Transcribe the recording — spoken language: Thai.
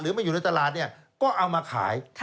ไม่อยู่ในตลาดเนี่ยก็เอามาขาย